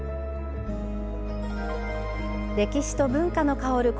歴史と文化の薫る